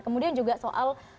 kemudian juga soal